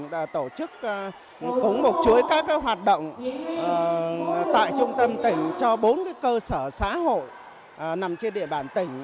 đã tổ chức cũng một chuỗi các hoạt động tại trung tâm tỉnh cho bốn cơ sở xã hội nằm trên địa bàn tỉnh